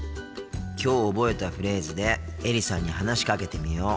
きょう覚えたフレーズでエリさんに話しかけてみよう。